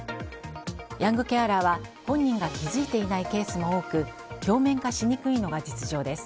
ヤングケアラーは、本人が気づいていないケースも多く表面化しにくいのが実情です。